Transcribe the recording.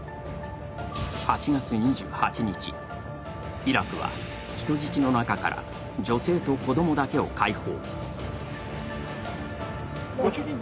８月２８日、イラクは人質の中から女性と子供だけを解放。